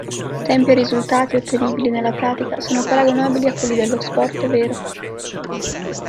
Tempi e risultati ottenibili nella pratica sono paragonabili a quelli dello sport vero.